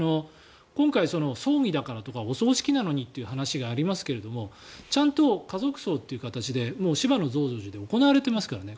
今回、葬儀だからとかお葬式なのにという話がありますけどちゃんと家族葬という形で芝の増上寺で行われていますからね。